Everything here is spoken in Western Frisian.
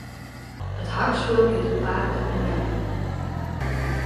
It harkspul giet oer pake en beppe.